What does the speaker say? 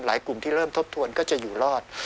กลุ่มที่เริ่มทบทวนก็จะอยู่รอด